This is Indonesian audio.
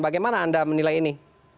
bagaimana anda menilai ini